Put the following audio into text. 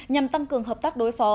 nhằm tăng cường hợp tác đối phó